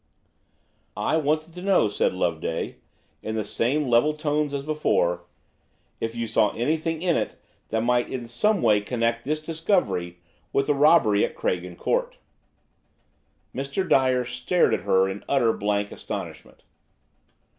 "I wanted to know," said Loveday, in the same level tones as before, "if you saw anything in it that might in some way connect this discovery with the robbery at Craigen Court?" Mr. Dyer stared at her in utter, blank astonishment.